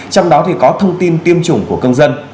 trong đó có thông tin tiêm chủng của công dân